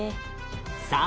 さあ